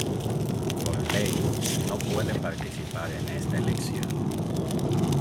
Por ley, no puede participar en esta elección.